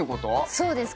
そうです。